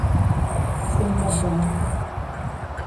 Ser un betzol.